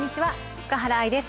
塚原愛です。